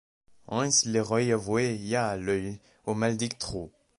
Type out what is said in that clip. Ains le Roy avoyt ià l’œil au mauldict trou.